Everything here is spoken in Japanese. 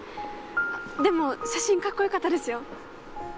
でも写真カッコよかったですよ。